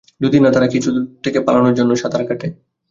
যদি না তারা কিছু থেকে পালানোর জন্য সাঁতার কাটে।